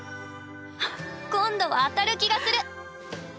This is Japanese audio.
今度は当たる気がする！